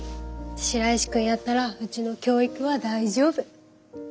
白石君やったらうちの教育は大丈夫。